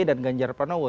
dan ganjar pranowo